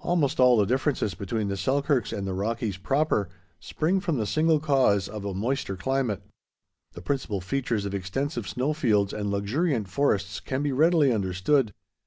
Almost all the differences between the Selkirks and the Rockies proper, spring from the single cause of a moister climate. The principal features of extensive snow fields and luxuriant forests can be readily understood.